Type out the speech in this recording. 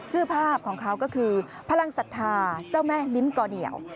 ภาพของเขาก็คือพลังศรัทธาเจ้าแม่ลิ้มก่อเหนียว